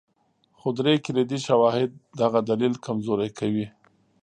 خو درې کلیدي شواهد دغه دلیل کمزوری کوي.